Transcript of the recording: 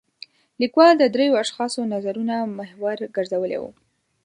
لیکوال د درېو اشخاصو نظرونه محور ګرځولی و.